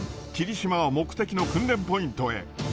しまは目的の訓練ポイントへ。